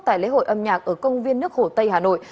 tại lễ hội âm nhạc ở công viên nước hồ tây hà nội